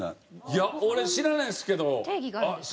いや俺知らないんですけど。